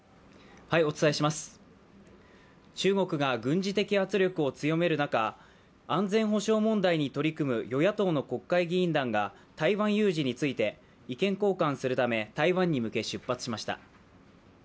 中国が軍事的圧力を強める中、安全保障問題に取り組む与野党の国会議員団が台湾有事について意見交換するため台湾に向け出発しました。